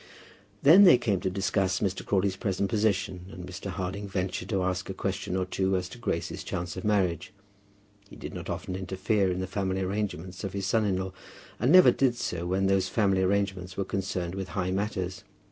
Then they came to discuss Mr. Crawley's present position, and Mr. Harding ventured to ask a question or two as to Grace's chance of marriage. He did not often interfere in the family arrangements of his son in law, and never did so when those family arrangements were concerned with high matters.